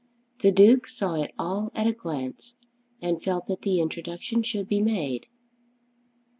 The Duke saw it all at a glance, and felt that the introduction should be made.